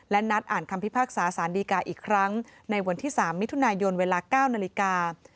และนัดอ่านคำพิพากษาสารดีกาอีกครั้งในวันที่๓มิถุนายนเวลา๙นาฬิกา